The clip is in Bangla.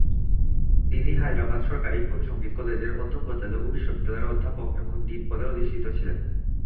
তিনি হায়দ্রাবাদের সরকারি সংগীত কলেজের অধ্যক্ষ, তেলুগু বিশ্ববিদ্যালয়ের অধ্যাপক ও ডিন পদে অধিষ্ঠিত ছিলেন।